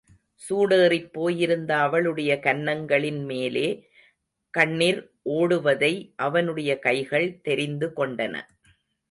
சூடேறிப் போயிருந்த அவளுடைய கன்னங்களின் மேலே, கண்ணிர் ஓடுவதை அவனுடைய கைகள் தெரிந்து கொண்டன.